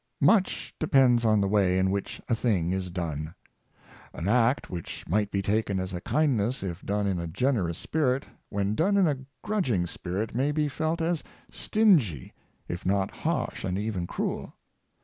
Much depends on the way in which a thing is done. Fea7' to be Avoided. 463 An act which might be taken as a kindness if done* in a generous spirit, when done in a grudging spirit may be felt as stingy, if not harsh and even cruel.